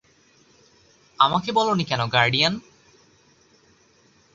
আমাকে বলোনি কেন, গার্ডিয়ান?